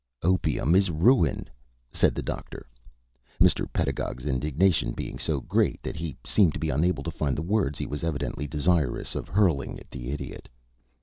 "Opium is ruin," said the Doctor, Mr. Pedagog's indignation being so great that he seemed to be unable to find the words he was evidently desirous of hurling at the Idiot.